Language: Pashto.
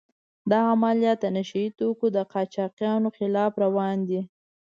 دا عملیات د نشه يي توکو د قاچاقچیانو خلاف روان دي.